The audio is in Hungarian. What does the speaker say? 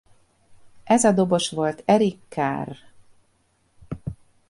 Ez a dobos volt Eric Carr.